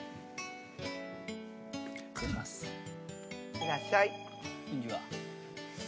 いらっしゃい。